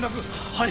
はい！